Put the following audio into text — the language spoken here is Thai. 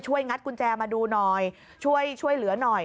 งัดกุญแจมาดูหน่อยช่วยเหลือหน่อย